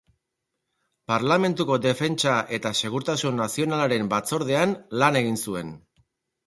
Parlamentuko Defentsa eta Segurtasun Nazionalaren Batzordean lan egin zuen.